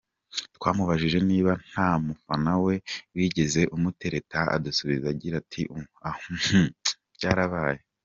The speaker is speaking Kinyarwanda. Twamubajije niba nta mufana we wigeze umutereta adusubiza agira ati "Uhm byarabaye.